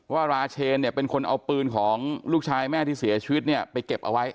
ราเชนเนี่ยเป็นคนเอาปืนของลูกชายแม่ที่เสียชีวิตเนี่ยไปเก็บเอาไว้